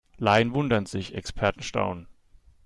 Laien wundern sich, Experten staunen.